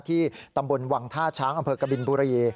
ที่ตำบลวังท่าช้างอำเภอกบินบุรี